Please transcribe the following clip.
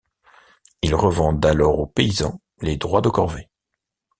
Ils revendent alors aux paysans les droits de corvées.